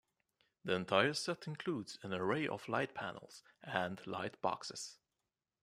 The entire set includes an array of light panels and light boxes.